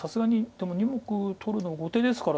でも２目取るのは後手ですから。